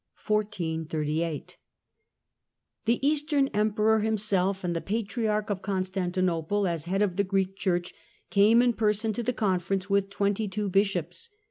The Eastern 1438^*'^' Emperor himself, and the Patriarch of Constantinople, as head of the Greek Church, came in person to the con ference with twenty two Bishops.